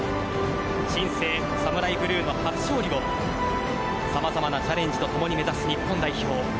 新生ＳＡＭＵＲＡＩＢＬＵＥの初勝利を様々なチャレンジとともに目指す日本代表。